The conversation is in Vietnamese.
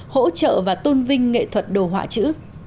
hỗ trợ và tôn vinh nghệ thuật đồ họa chữ